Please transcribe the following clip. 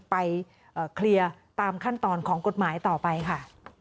ไปเคลียร์ตามขั้นตอนของกฎหมายต่อไปค่ะ